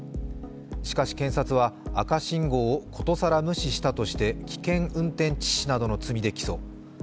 しかし検察は、赤信号をことさら無視したとして危険運転致死などの罪で起訴。